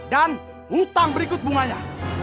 dan hutang berikut bunganya